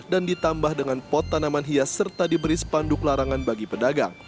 dan ditambah dengan pot tanaman hias serta diberi spanduk larangan bagi pedagang